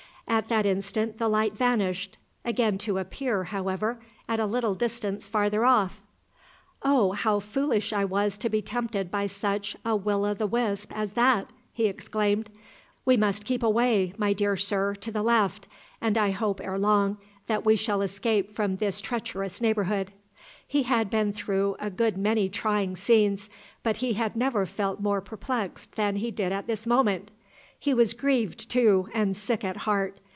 At that instant the light vanished again to appear, however, at a little distance farther off. "Ah, how foolish I was to be tempted by such a `will o' the wisp' as that!" he exclaimed. "We must keep away, my dear sir, to the left, and I hope ere long that we shall escape from this treacherous neighbourhood." He had been through a good many trying scenes, but he had never felt more perplexed than he did at this moment. He was grieved too, and sick at heart.